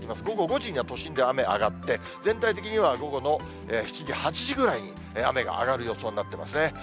午後５時には、都心では雨上がって、全体的には午後の７時、８時ぐらいに雨が上がる予想になってますね。